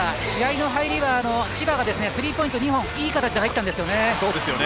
試合の入りは千葉がスリーポイント２本いい形で入ったんですよね。